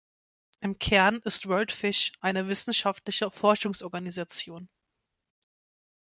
Im Kern ist WorldFish eine wissenschaftliche Forschungsorganisation.